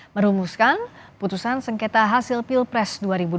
merumuskan putusan sengketa hasil pilpres dua ribu dua puluh